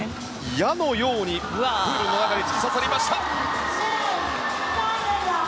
矢のようにプールの中に突き刺さりました。